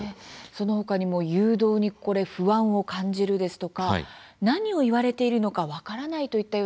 そのほかにも「誘導に不安を感じる」ですとか「何を言われているのか分からない」といったような声もありますね。